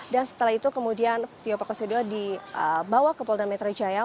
dan setelah itu kemudian tio pakusadewa dibawa ke polda metro jaya